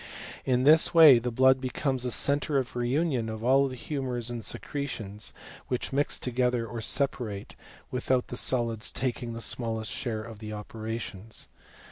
In this way the blood becomes the centre of reunion of all the humours of the secretions, which mix to* fpether or separate, without the solids taking the small est share in the operations.